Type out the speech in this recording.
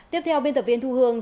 tiếp theo biên tập viên thu hương